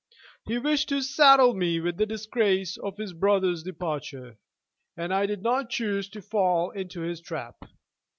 He wished to saddle me with the disgrace of his brother's departure, and I did not choose to fall into his trap.